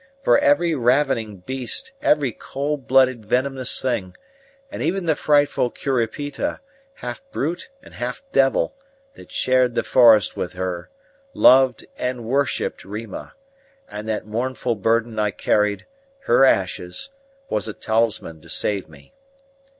For every ravening beast, every cold blooded, venomous thing, and even the frightful Curupita, half brute and half devil, that shared the forest with her, loved and worshipped Rima, and that mournful burden I carried, her ashes, was a talisman to save me.